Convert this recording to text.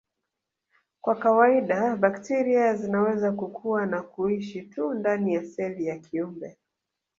Kwa kawaida bakteria zinaweza kukua na kuishi tu ndani ya seli ya kiumbe